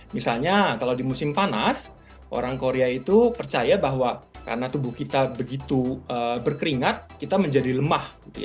misalnya kalau di musim panas orang korea itu percaya bahwa karena tubuh kita begitu berkeringat kita menjadi lemah